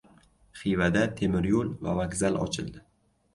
Xivada temiryo‘l va vokzal ochildi